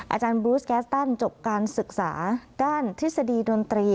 อาจารย์บรูสแก๊สตันจบการศึกษาด้านทฤษฎีดนตรี